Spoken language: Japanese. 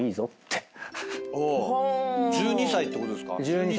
１２歳ってことですか？